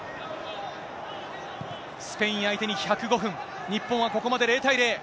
スペイン相手に１０５分、日本はここまで０対０。